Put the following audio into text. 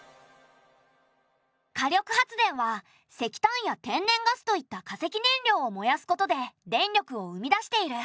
火力発電は石炭や天然ガスといった化石燃料を燃やすことで電力を生み出している。